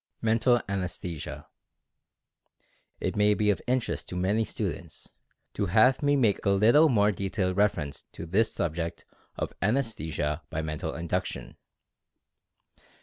MENTAL ANESTHESIA. It may be of interest to many students, to have me make a little more detailed reference to this subject 120 Mental Fascination of Anaesthesia by Mental Induction.